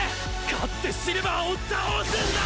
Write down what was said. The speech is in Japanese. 勝ってシルヴァーを倒すんだ